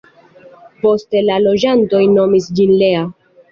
Poste la loĝantoj nomis ĝin Lea.